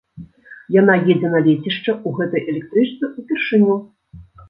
Яна едзе на лецішча, у гэтай электрычцы ўпершыню.